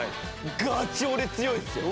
ガチ俺強いっすよ。